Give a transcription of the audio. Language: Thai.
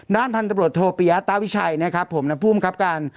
ด้านพันธบรวจโทปิยะตาวิชัยนะครับผมและผู้บังคับการ